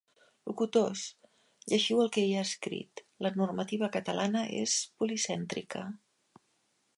Locutors: llegiu el que hi ha escrit, la normativa catalana és policèntrica.